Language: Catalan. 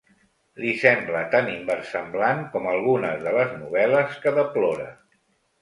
Li sembla tan inversemblant com algunes de les novel·les que deplora.